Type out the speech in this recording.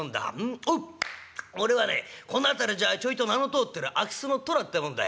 おっ俺はねこの辺りじゃちょいと名の通ってる空き巣の寅ってもんだい。